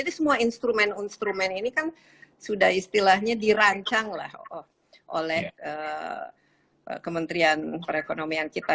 jadi semua instrumen instrumen ini kan sudah istilahnya dirancang oleh kementerian perekonomian kita